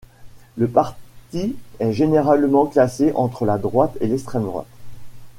Le parti est généralement classé entre la droite et l'extrême droite.